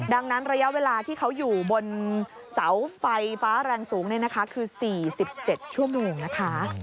ดังนั้นระยะเวลาที่เขาอยู่บนเสาไฟฟ้าแรงสูงคือ๔๗ชั่วโมงนะคะ